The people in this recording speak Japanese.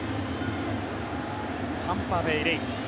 タンパベイ・レイズ。